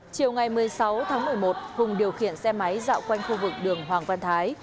chiều ngày một mươi sáu tháng một mươi một hùng điều khiển xe máy dạo quanh khu vực đường hoàng văn thái